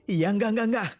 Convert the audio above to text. iya enggak enggak enggak